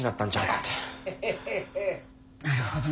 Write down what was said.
なるほど。